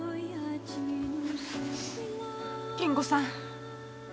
金吾さん。